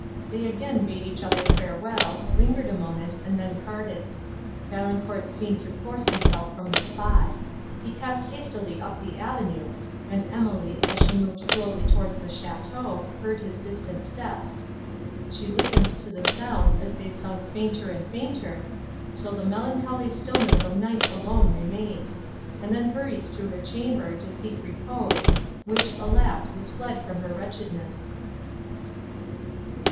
They again bade each other farewell, lingered a moment, and then parted. Valancourt seemed to force himself from the spot; he passed hastily up the avenue, and Emily, as she moved slowly towards the château, heard his distant steps. She listened to the sounds, as they sunk fainter and fainter, till the melancholy stillness of night alone remained; and then hurried to her chamber, to seek repose, which, alas! was fled from her wretchedness.